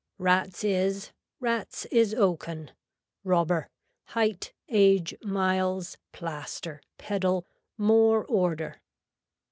Rats is, rats is oaken. Robber. Height, age, miles, plaster, pedal, more order.